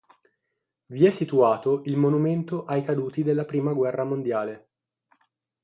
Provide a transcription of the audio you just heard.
Vi è situato il monumento ai caduti della prima guerra mondiale.